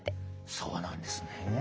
そうなんですね。